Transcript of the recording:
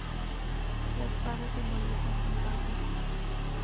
La espada simboliza a San Pablo.